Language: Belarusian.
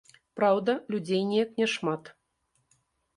Праўда, людзей неяк няшмат.